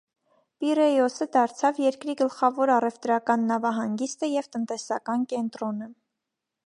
Պիրեյոսը դարձավ երկրի գլխավոր առևտրական նավահանգիստը և տնտեսական կենտրոնը։